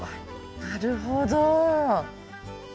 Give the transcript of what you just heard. なるほど。